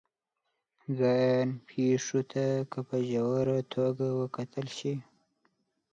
ځان پېښو ته که په ژوره توګه وکتل شي